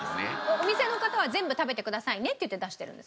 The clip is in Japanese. お店の方は全部食べてくださいねって言って出してるんですか？